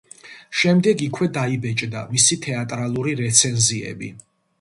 შემდეგ იქვე დაიბეჭდა მისი თეატრალური რეცენზიები.